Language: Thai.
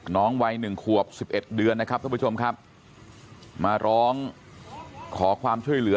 น้องวัย๑ขวบ๑๑เดือนนะครับทุกผู้ชมครับมาร้องขอความช่วยเหลือ